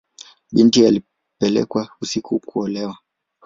Binti alipelekwa usiku kuolewa.